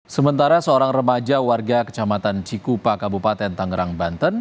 sementara seorang remaja warga kecamatan cikupa kabupaten tangerang banten